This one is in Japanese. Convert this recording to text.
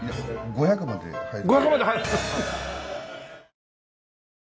５００まで入る！